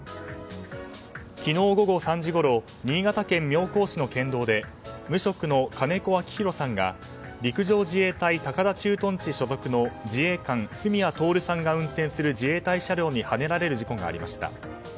昨日午後３時ごろ新潟県妙高市の県道で無職の金子明弘さんが陸上自衛隊高田駐屯地所属の自衛官、隅谷透さんが運転する自衛隊車両にはねられる事故がありました。